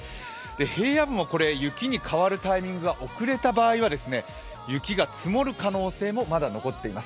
平野部も雪に変わるタイミングが遅れた場合は、雪が積もる可能性もまだ残っています。